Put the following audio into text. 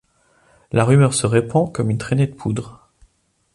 La rumeur se répand comme une traînée de poudre.